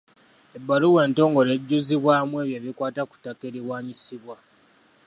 Ebbaluwa entongole ejjuzibwamu ebyo ebikwata ku ttaka eriwaanyisibwa.